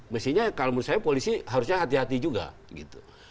mestinya kalau menurut saya polisi harusnya hati hati juga gitu